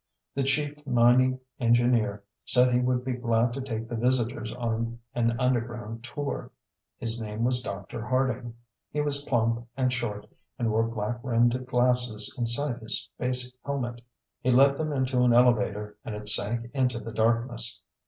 The chief mining engineer said he would be glad to take the visitors on an underground tour. His name was Dr. Harding. He was plump and short and wore black rimmed glasses inside his space helmet. He led them into an elevator and it sank into the darkness.